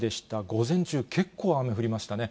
午前中、結構雨降りましたね。